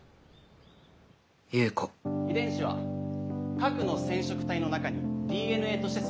夕子遺伝子は核の染色体の中にＤＮＡとして存在しています。